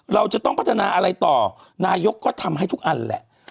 เราจะต้องพัฒนาอะไรต่อนายกก็ทำให้ทุกอันแหละ